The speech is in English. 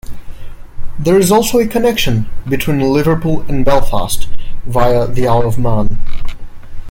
There is also a connection between Liverpool and Belfast via the Isle of Man.